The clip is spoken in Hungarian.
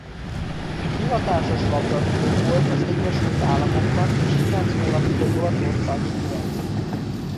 Hivatásos labdarúgó volt az Egyesült Államokban és kilenc hónapig az olaszországi Firenzében.